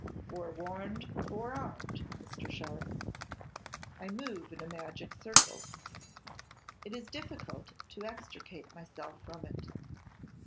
'Forewarned, forearmed, Mr. Sharpe.' 'I move in a magic circle: it is difficult to extricate myself from it.